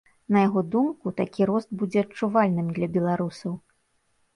На яго думку, такі рост будзе адчувальным для беларусаў.